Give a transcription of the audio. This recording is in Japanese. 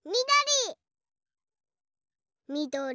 みどり！